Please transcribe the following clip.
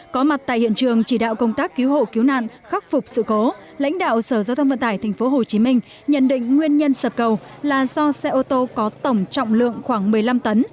có mặt tại hiện trường chỉ đạo công tác cứu hộ cứu nạn khắc phục sự cố lãnh đạo sở giao thông vận tải tp hcm nhận định nguyên nhân sập cầu là do xe ô tô có tổng trọng lượng khoảng một mươi năm tấn